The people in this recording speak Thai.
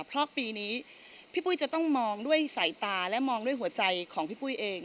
เพราะวันนี้พี่ปุ้ยต้องมองด้วยสายตาและหัวใจของพี่ปุ้ยเอง